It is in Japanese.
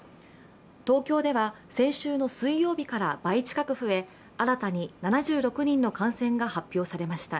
東京では先週の水曜日から倍近く増え新たに７６人の感染が発表されました。